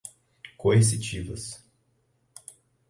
coercitivas